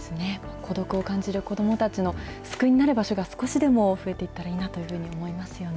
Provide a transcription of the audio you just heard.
孤独を感じる子どもたちの救いになる場所が少しでも増えていったらいいなと思いますよね。